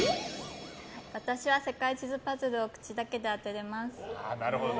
私は世界地図パズルを口だけで当てれます。